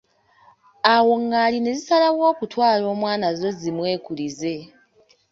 Awo Ngaali ne zisalawo okutwala omwana zzo zimwekulize.